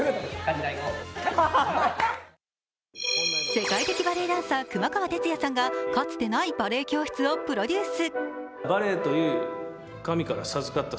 世界的バレエダンサー熊川哲也さんがかつてないバレエ教室をプロデュース。